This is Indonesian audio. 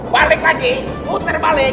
balik lagi puter balik